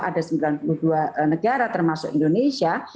ada sembilan puluh dua negara termasuk indonesia